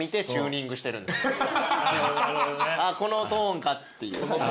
このトーンかっていう。